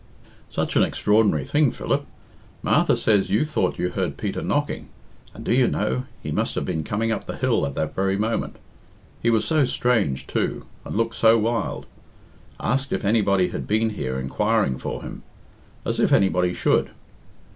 "Such an extraordinary thing, Philip. Martha says you thought you heard Peter knocking, and, do you know, he must have been coming up the hill at that very moment. He was so strange, too, and looked so wild. Asked if anybody had been here inquiring for him; as if anybody should.